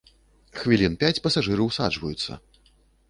Хвілін пяць пасажыры ўсаджваюцца.